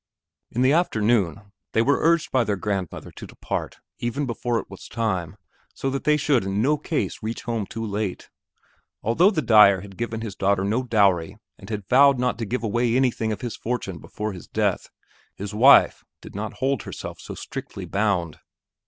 In the afternoon, they were urged by their grandmother to depart even before it was time, so that they should in no case reach home too late. Although the dyer had given his daughter no dowry and had vowed not to give away anything of his fortune before his death, his wife did not hold herself so strictly bound.